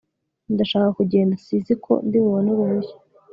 Ndashaka kugenda sizi ko ndibubone uruhushya